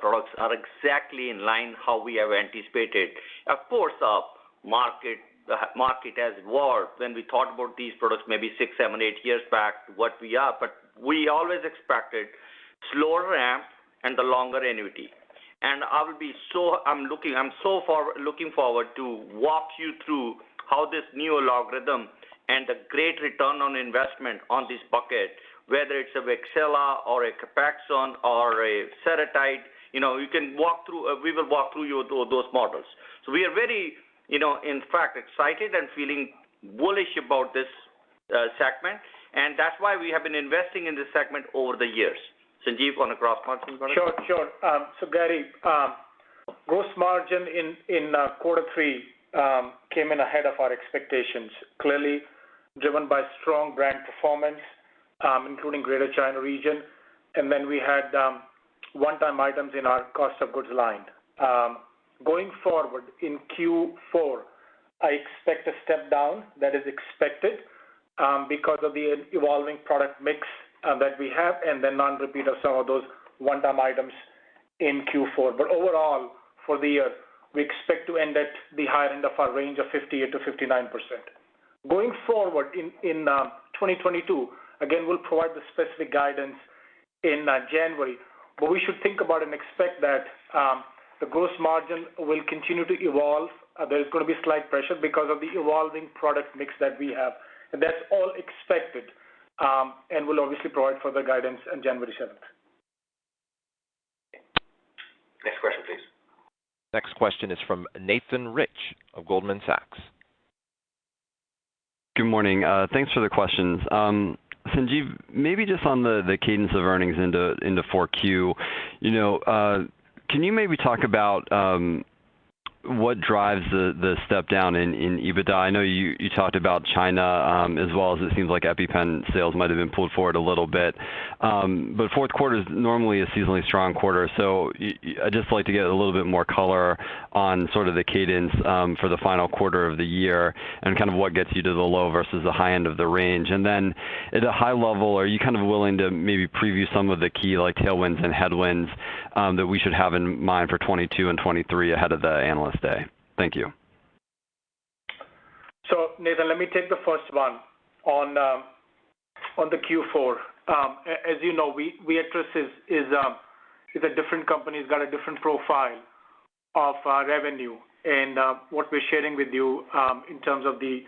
products are exactly in line with how we have anticipated. Of course, our market has evolved when we thought about these products maybe six, seven, eight years back, what we are. We always expected slower ramp and the longer annuity. I'm looking forward to walk you through how this new algorithm and the great return on investment on this bucket, whether it's of EYLEA or a Copaxone or a Seretide, you know, we will walk you through those models. We are very, you know, in fact, excited and feeling bullish about this segment, and that's why we have been investing in this segment over the years. Sanjeev, wanna cross comment on it? Sure, sure. Gary, gross margin in quarter three came in ahead of our expectations, clearly driven by strong brand performance, including Greater China region. Then we had one-time items in our cost of goods line. Going forward, in Q4, I expect a step down that is expected because of the evolving product mix that we have and the non-repeat of some of those one-time items in Q4. Overall, for the year, we expect to end at the higher end of our range of 50%-59%. Going forward in 2022, again, we'll provide the specific guidance in January. We should think about and expect that the gross margin will continue to evolve. There's gonna be slight pressure because of the evolving product mix that we have. That's all expected, and we'll obviously provide further guidance on January 7th. Next question, please. Next question is from Nathan Rich of Goldman Sachs. Good morning. Thanks for the questions. Sanjeev, maybe just on the cadence of earnings into Q4. You know, can you maybe talk about what drives the step down in EBITDA? I know you talked about China, as well as it seems like EpiPen sales might have been pulled forward a little bit. Fourth quarter is normally a seasonally strong quarter. I'd just like to get a little bit more color on sort of the cadence for the final quarter of the year and kind of what gets you to the low versus the high end of the range. At a high level, are you kind of willing to maybe preview some of the key like tailwinds and headwinds that we should have in mind for 2022 and 2023 ahead of the Analyst Day? Thank you. Nathan, let me take the first one on the Q4. As you know, Viatris is a different company. It's got a different profile of revenue. What we're sharing with you in terms of the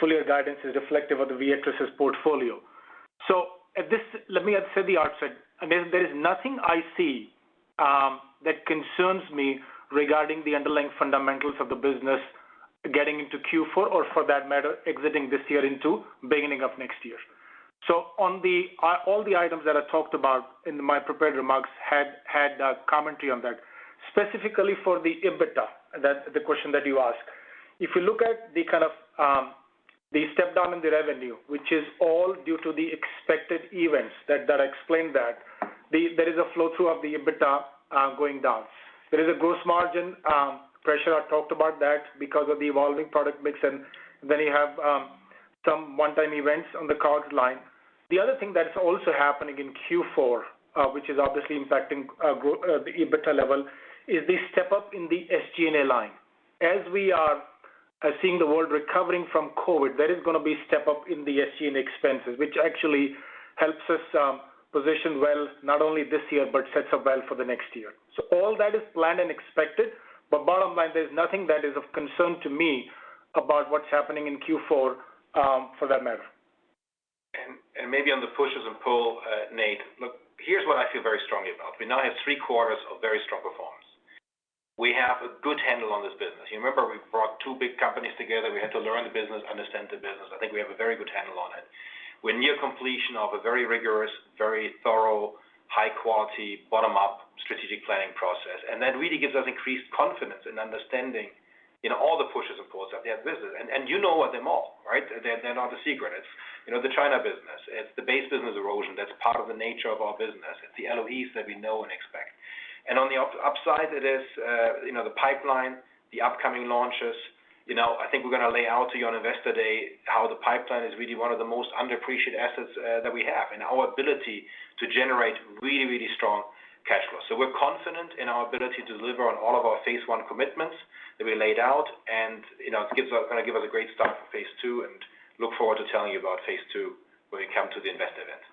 full year guidance is reflective of the Viatris' portfolio. At the outset, let me say, I mean, there is nothing I see that concerns me regarding the underlying fundamentals of the business getting into Q4 or for that matter, exiting this year into beginning of next year. All the items that I talked about in my prepared remarks had a commentary on that. Specifically for the EBITDA, that's the question that you ask. If you look at the kind of the step down in the revenue, which is all due to the expected events that I explained. There is a flow-through of the EBITDA going down. There is a gross margin pressure. I talked about that because of the evolving product mix. Then you have some one-time events on the COGS line. The other thing that is also happening in Q4, which is obviously impacting the EBITDA level, is the step up in the SG&A line. As we are seeing the world recovering from COVID, there is gonna be step up in the SG&A expenses, which actually helps us position well, not only this year, but sets up well for the next year. All that is planned and expected, but bottom line, there's nothing that is of concern to me about what's happening in Q4, for that matter. Maybe on the pushes and pulls, Nate, look, here's what I feel very strongly about. We now have three-quarters of very strong performers. We have a good handle on this business. You remember we brought two big companies together. We had to learn the business, understand the business. I think we have a very good handle on it. We're near completion of a very rigorous, very thorough, high-quality, bottom-up strategic planning process. That really gives us increased confidence in understanding in all the pushes, of course, of this business. You know what them all, right? They're not a secret. It's, you know, the China business, it's the base business erosion that's part of the nature of our business. It's the LOEs that we know and expect. On the upside, it is, you know, the pipeline, the upcoming launches. You know, I think we're gonna lay out to you on Investor Day how the pipeline is really one of the most underappreciated assets, that we have and our ability to generate really, really strong cash flow. We're confident in our ability to deliver on all of our phase I commitments that we laid out. You know, gonna give us a great start for phase II and look forward to telling you about phase II when you come to the investor event.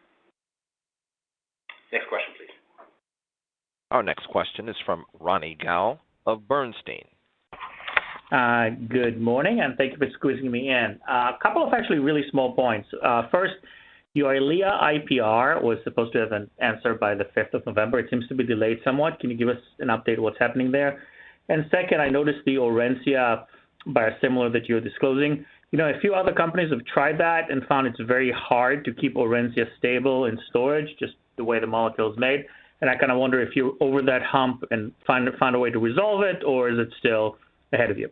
Next question, please. Our next question is from Ronny Gal of Bernstein. Good morning, and thank you for squeezing me in. A couple of actually really small points. First, your EYLEA IPR was supposed to have an answer by the 5th November. It seems to be delayed somewhat. Can you give us an update what's happening there? Second, I noticed the Orencia biosimilar that you're disclosing. You know, a few other companies have tried that and found it's very hard to keep Orencia stable in storage, just the way the molecule is made. I kinda wonder if you're over that hump and find a way to resolve it, or is it still ahead of you?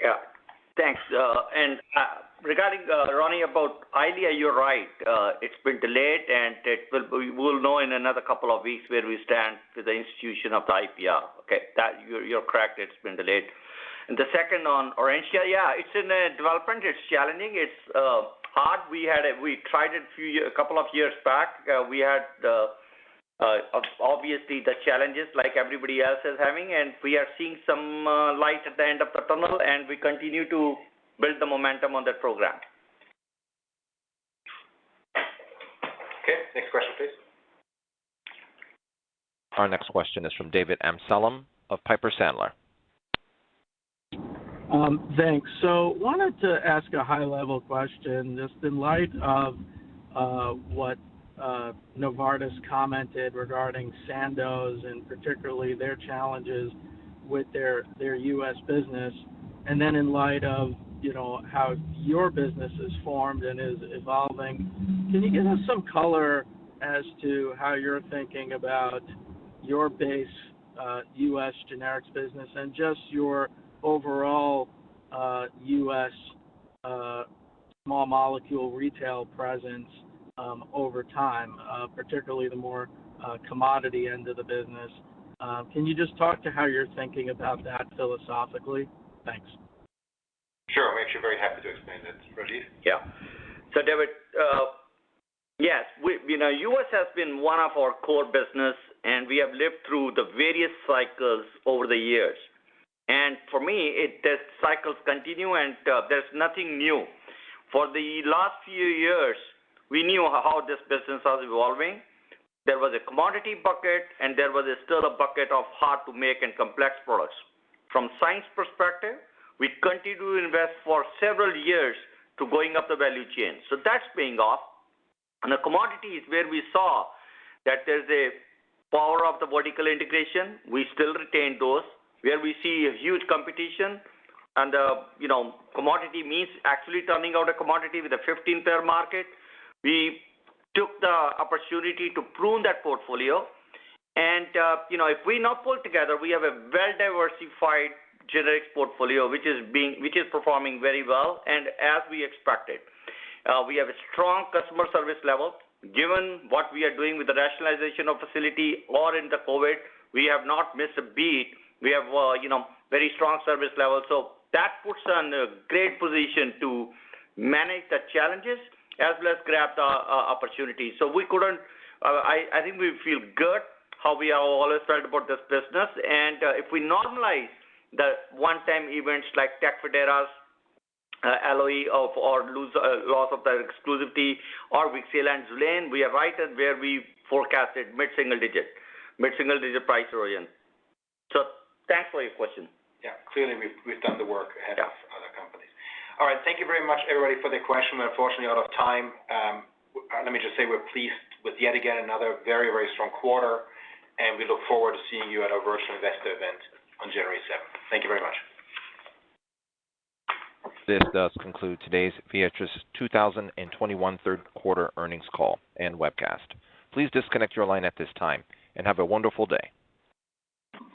Yeah. Thanks. Regarding Ronny, about EYLEA, you're right. It's been delayed, and we will know in another couple of weeks where we stand for the institution of the IPR, okay? You're correct, it's been delayed. The second on Orencia, yeah, it's in development. It's challenging. It's hard. We tried it a couple of years back. We had the obviously, the challenges like everybody else is having, and we are seeing some light at the end of the tunnel, and we continue to build the momentum on that program. Okay, next question, please. Our next question is from David Amsellem of Piper Sandler. Thanks. Wanted to ask a high-level question just in light of what Novartis commented regarding Sandoz and particularly their challenges with their U.S. business and then in light of, you know, how your business has formed and is evolving. Can you give us some color as to how you're thinking about your base U.S. generics business and just your overall U.S. small molecule retail presence over time, particularly the more commodity end of the business? Can you just talk to how you're thinking about that philosophically? Thanks. Sure. We're actually very happy to explain it. Rajiv? David, yes. You know, U.S. has been one of our core business, and we have lived through the various cycles over the years. For me, the cycles continue, and there's nothing new. For the last few years, we knew how this business was evolving. There was a commodity bucket, and there was still a bucket of hard to make and complex products. From science perspective, we continue to invest for several years to going up the value chain. That's paying off. The commodity is where we saw that there's a power of the vertical integration. We still retain those where we see a huge competition, and you know, commodity means actually turning out a commodity with a 15-player market. We took the opportunity to prune that portfolio. You know, if we now pull together, we have a very diversified generics portfolio, which is performing very well and as we expected. We have a strong customer service level. Given what we are doing with the rationalization of facility or in the COVID, we have not missed a beat. We have, you know, very strong service levels. That puts us in a great position to manage the challenges as well as grab the opportunities. I think we feel good how we have always felt about this business. If we normalize the one-time events like Tecfidera’s LOE or loss of exclusivity or Wixela and Xulane, we are right at where we forecasted mid-single digit, mid-single digit price erosion. Thanks for your question. Yeah. Clearly, we've done the work ahead. Yeah. Of other companies. All right. Thank you very much, everybody, for the question. We're unfortunately out of time. Let me just say we're pleased with yet again another very, very strong quarter, and we look forward to seeing you at our virtual investor event on January 7th. Thank you very much. This does conclude today's Viatris 2021 Third Quarter Earnings Call and Webcast. Please disconnect your line at this time and have a wonderful day.